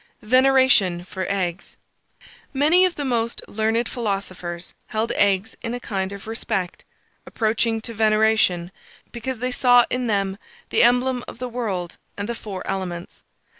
VENERATION FOR EGGS. Many of the most learned philosophers held eggs in a kind of respect, approaching to veneration, because they saw in them the emblem of the world and the four elements.